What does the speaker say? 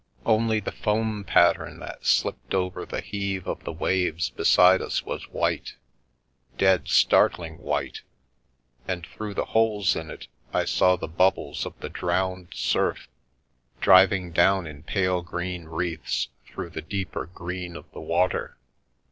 Only the foam pattern that slipped over the heave of the waves beside us was white — dead, startling white — and through the holes in it I saw the bubbles of the drowned surf driving down in pale green wreaths through the deeper green of the water.